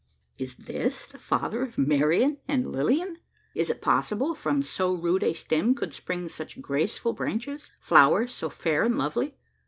Is this father of Marian and Lilian? Is it possible from so rude a stem could spring such graceful branches flowers so fair and lovely?